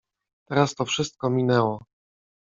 Teraz to wszystko minęło…